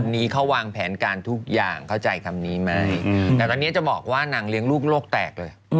แต่วันนี้แบบจะบอกว่านางเลี่ยนลูกโลกแตกเลย